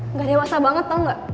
nggak dewasa banget tau nggak